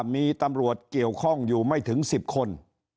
มีตำรวจเกี่ยวข้องอยู่ไม่ถึง๑๐คน